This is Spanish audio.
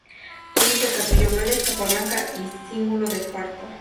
Túnica y capillo verdes, capa blanca y cíngulo de esparto.